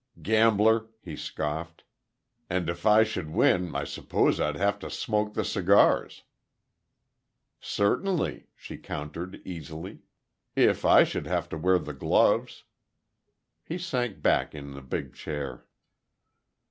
"Gambler!" he scoffed. "And if I should win, I suppose I'd have to smoke the cigars." "Certainly," she countered, easily, "if I should have to wear the gloves." He sank back in the big chair.